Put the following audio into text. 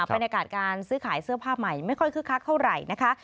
บรรยากาศการซื้อขายเสื้อผ้าใหม่ไม่ค่อยคึกคักเท่าไหร่นะคะ